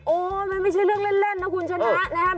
มันไม่ใช่เรื่องเล่นนะคุณชนะนะครับ